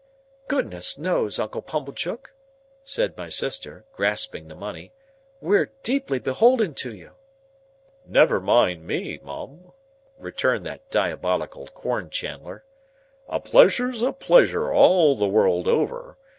"Goodness knows, Uncle Pumblechook," said my sister (grasping the money), "we're deeply beholden to you." "Never mind me, Mum," returned that diabolical cornchandler. "A pleasure's a pleasure all the world over.